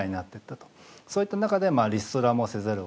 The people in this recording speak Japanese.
そういった中でリストラもせざるをえない。